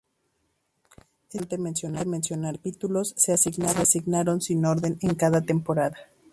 Es importante mencionar que los capítulos se asignaron sin orden en cada temporada.